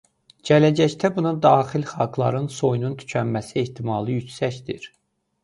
Gələcəkdə bura daxil xalqların soyunun tükənməsi ehtimalı yüksəkdir.